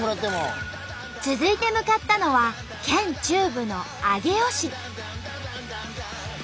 続いて向かったのは県中部の上尾市。